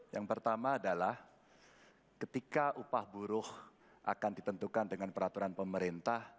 yang pertama adalah ketika upah buruh akan ditentukan dengan peraturan pemerintah